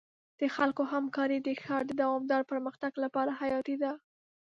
د خلکو همکاري د ښار د دوامدار پرمختګ لپاره حیاتي ده.